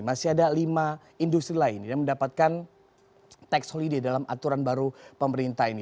masih ada lima industri lain yang mendapatkan tax holiday dalam aturan baru pemerintah ini